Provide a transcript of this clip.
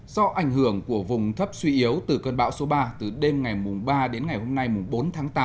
do ảnh hưởng của vùng thấp suy yếu từ cơn bão số ba từ đêm ngày ba đến ngày hôm nay bốn tháng tám